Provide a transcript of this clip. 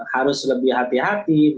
harus lebih hati hati